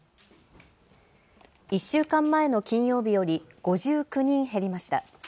１週間前の金曜日より５９人減りました。